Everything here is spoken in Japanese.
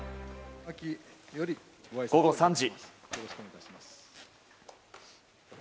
午後３時。